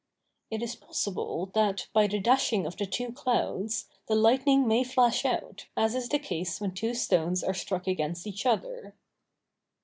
It is possible that, by the dashing of the two clouds, the lightning may flash out, as is the case when two stones are struck against each other.